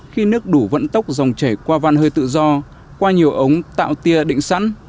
khi nước đủ vận tốc dòng chảy qua văn hơi tự do qua nhiều ống tạo tia định sẵn